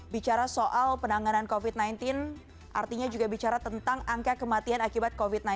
bicara soal penanganan covid sembilan belas artinya juga bicara tentang angka kematian akibat covid sembilan belas